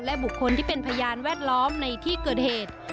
บุคคลที่เป็นพยานแวดล้อมในที่เกิดเหตุ